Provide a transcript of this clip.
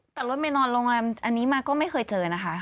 แต่รถเมย์นอนโรงแรมอันนี้มาก็ไม่เคยเจอนะคะ